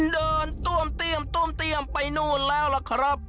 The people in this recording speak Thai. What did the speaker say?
เดินต้วมเตียมไปนู่นแล้วล่ะครับ